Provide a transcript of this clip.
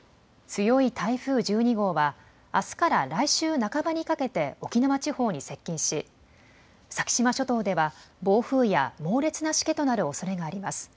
強い台風１２号はあすから来週半ばにかけて沖縄地方に接近し先島諸島では暴風や猛烈なしけとなるおそれがあります。